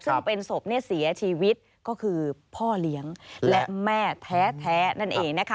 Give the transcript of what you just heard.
ซึ่งเป็นศพเสียชีวิตก็คือพ่อเลี้ยงและแม่แท้นั่นเองนะคะ